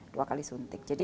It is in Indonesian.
dua kali suntik